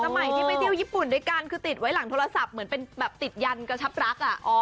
สมัยที่ไปเที่ยวญี่ปุ่นด้วยกันคือติดไว้หลังโทรศัพท์เหมือนเป็นแบบติดยันกระชับรัก